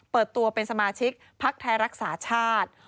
เปิดตัวเป็นสมาชิกพักไทยรักษาชาติ